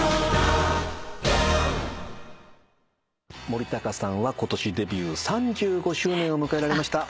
森高さんは今年デビュー３５周年を迎えられました。